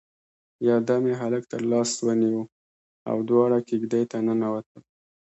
يودم يې هلک تر لاس ونيو او دواړه کېږدۍ ته ننوتل.